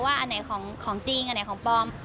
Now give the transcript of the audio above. อันไหนของจริงอันไหนของปลอม